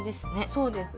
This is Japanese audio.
そうです。